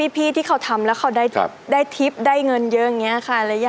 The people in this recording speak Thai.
เพราะว่าอะไรค่ะ